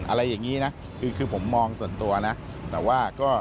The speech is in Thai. อะไรอย่างนี้นะคือผมมองส่วนตัวนะ